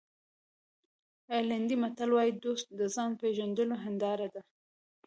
آیرلېنډي متل وایي دوست د ځان پېژندلو هنداره ده.